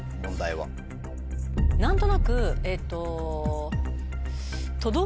何となくえっと。